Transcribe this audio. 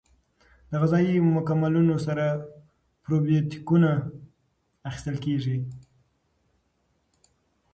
د غذایي مکملونو سره پروبیوتیکونه اخیستل کیږي.